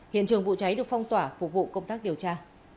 hiện trường vụ cháy được phong tỏa phục vụ công tác điều tra